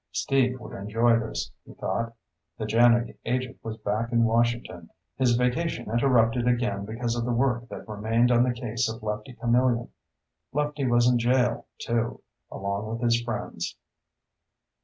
Steve would enjoy this, he thought. The JANIG agent was back in Washington, his vacation interrupted again because of the work that remained on the case of Lefty Camillion. Lefty was in jail, too, along with his friends.